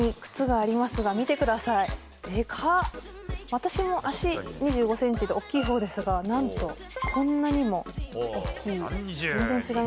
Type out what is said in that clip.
私も足２５ｃｍで大きいほうですが何と、こんなにも大きい。